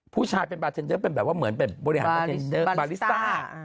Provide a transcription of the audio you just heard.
ผู้ชายเป็นบาร์เทนเดอร์เป็นแบบว่าเหมือนแบบบริหารประเทศบาลิซ่า